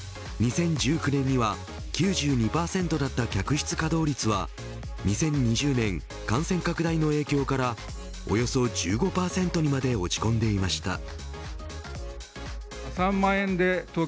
２０１９年には９２％だった客室稼働率は２０２０年、感染拡大の影響からおよそ１５％にまで落ち込んでいました。